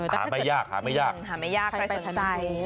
หาไม่ยากผักใจนะครับเอ้อแต่ถ้าใครไปสนใจ